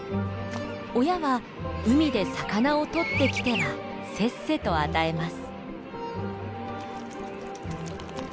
親は海で魚を取ってきてはせっせと与えます。